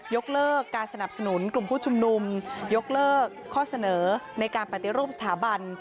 ยกเลิกการสนับสนุนกลุ่มผู้ชุมนุมยกเลิกข้อเสนอในการปฏิรูปสถาบัน